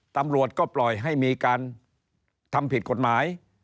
ตำรวจก็ปล่อยให้มีการทำผิดกฎหมาย